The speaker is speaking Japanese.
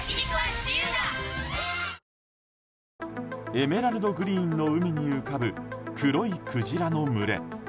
エメラルドグリーンの海に浮かぶ、黒いクジラの群れ。